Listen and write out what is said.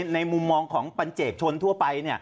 ในมุมมองของปัญเจกชนทั่วไป